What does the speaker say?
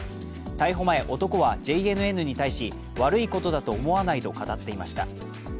逮捕前、男はＪＮＮに対し、悪いことだと思わないと語っていました。